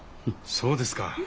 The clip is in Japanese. そうですか。